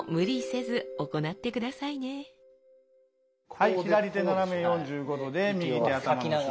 はい左手斜め４５度で右手頭の後ろで。